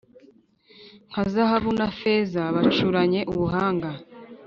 nka zahabu na feza bacuranye ubuhanga,